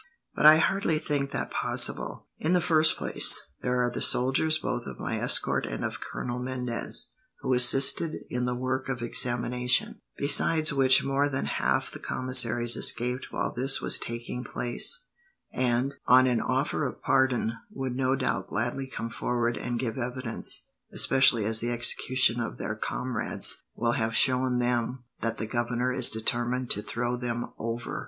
But I hardly think that possible. In the first place, there are the soldiers both of my escort and of Colonel Mendez, who assisted in the work of examination; besides which more than half the commissaries escaped while this was taking place, and, on an offer of pardon, would no doubt gladly come forward and give evidence, especially as the execution of their comrades will have shown them that the governor is determined to throw them over."